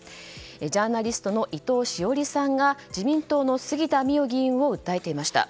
ジャーナリストの伊藤詩織さんが自民党の杉田水脈議員を訴えていました。